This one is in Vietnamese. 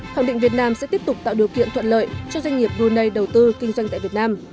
khẳng định việt nam sẽ tiếp tục tạo điều kiện thuận lợi cho doanh nghiệp brunei đầu tư kinh doanh tại việt nam